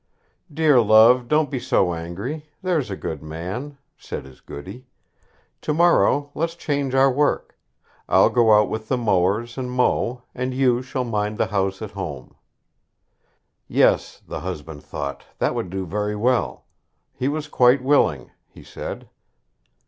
"Dear love, don't be so angry; there's a good man", said his goody; "to morrow let's change our work. I'll go out with the mowers and mow, and you shall mind the house at home." Yes! the husband thought that would do very well. He was quite willing, he said.